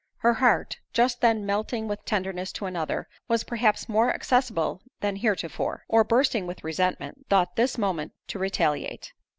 Her heart, just then melting with tenderness to another, was perhaps more accessible than heretofore; or bursting with resentment, thought this the moment to retaliate.